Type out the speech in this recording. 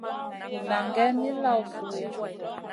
Nan gai min lawn suiʼa.